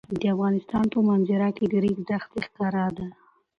د افغانستان په منظره کې د ریګ دښتې ښکاره ده.